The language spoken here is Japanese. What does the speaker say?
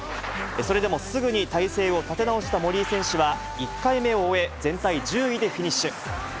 それでもすぐに体勢を立て直した森井選手は、１回目を終え、全体１０位でフィニッシュ。